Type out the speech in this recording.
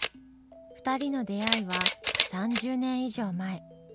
２人の出会いは３０年以上前。